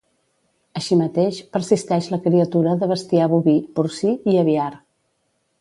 Així mateix, persisteix la criatura de bestiar boví, porcí i aviar.